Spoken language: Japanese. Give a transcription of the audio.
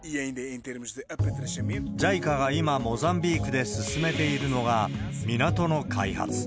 ＪＩＣＡが今、モザンビークで進めているのが、港の開発。